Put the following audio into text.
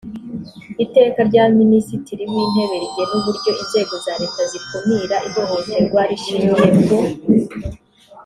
iteka rya minisitiri w intebe rigena uburyo inzego za leta zikumira ihohoterwa rishingiye ku